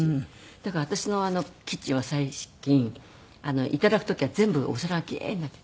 だから私のキッチンは最近頂く時は全部お皿が奇麗になって。